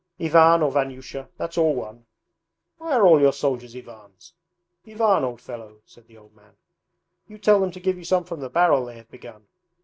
'Ivan or Vanyusha, that's all one. Why are all your soldiers Ivans? Ivan, old fellow,' said the old man, 'you tell them to give you some from the barrel they have begun.